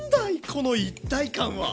この一体感は。